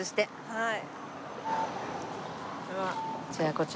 はい。